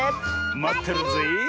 まってるぜえ。